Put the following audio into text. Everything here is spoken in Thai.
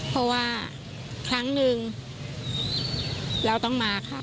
เพราะว่าครั้งหนึ่งเราต้องมาค่ะ